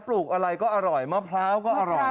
ลูกอะไรก็อร่อยมะพร้าวก็อร่อย